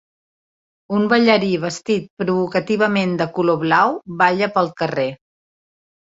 Un ballarí vestit provocativament de color blau balla pel carrer